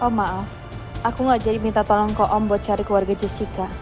oh maaf aku gak jadi minta tolong ke om buat cari keluarga jessica